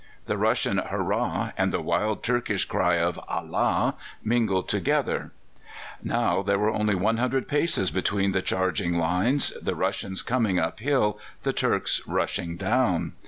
The Russian "Hurrah!" and the wild Turkish cry of "Allah!" mingled together. Now there were only 100 paces between the charging lines, the Russians coming up hill, the Turks rushing down.